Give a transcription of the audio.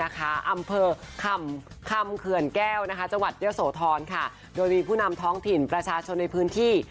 อำเภอคำเขื่อนแก้วจังหวัดเยอะโสธรโดยมีผู้นำท้องถิ่นประชาชนในพื้นที่